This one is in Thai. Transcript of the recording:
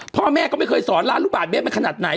พ่อแม่ก็ไม่เคยสอนล้านลูกบาทเมตรมันขนาดไหน